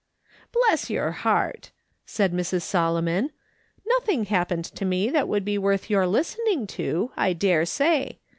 "Bless your heart!" said Mrs. Solomon, "nothing happened to me that would be worth your listening to, I dare say.